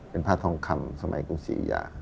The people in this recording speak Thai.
เป็นผ้าทองคำสมัยกรุงศรียา